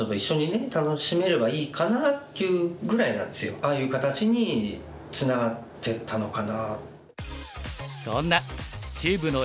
ああいう形につながっていったのかな。